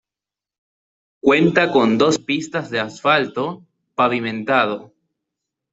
Cuenta con dos pistas de asfalto pavimentado.